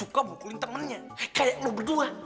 kalau shaina itu suka bukulin temennya kayak lo berdua